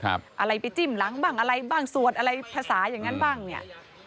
อะไรไปจิ้มหลังบ้างอะไรบ้างสวดอะไรภาษาอย่างนั้นบ้างเนี่ย